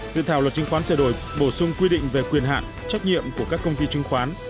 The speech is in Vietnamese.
dự thảo luật chứng khoán sửa đổi bổ sung quy định về quyền hạn trách nhiệm của các công ty chứng khoán